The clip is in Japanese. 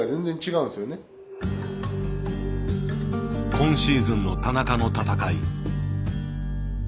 今シーズンの田中の闘い。